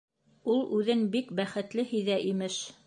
Ул үҙен бик бәхетле һиҙә, имеш.